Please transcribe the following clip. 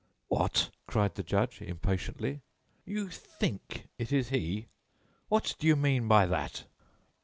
"What!" cried the judge, impatiently, "you *think* it is he! What do you mean by that?"